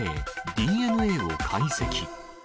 ＤＮＡを解析。